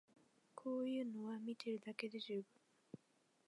こういうのは見てるだけで充分